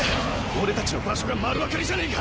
俺たちの場所が丸分かりじゃねぇか！